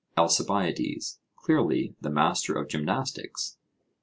ALCIBIADES: Clearly, the master of gymnastics.